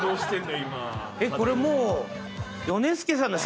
これもう。